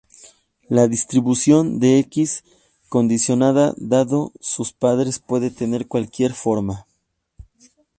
La distribución de "X" condicionada dado sus padres puede tener cualquier forma.